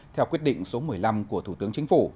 theo quyết định số một mươi năm của thủ tướng chính phủ